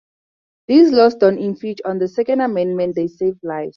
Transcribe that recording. These laws don’t infringe on the Second Amendment. They save lives.